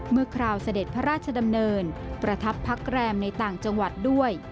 คราวเสด็จพระราชดำเนินประทับพักแรมในต่างจังหวัดด้วย